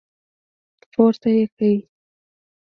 پورته يې کړ.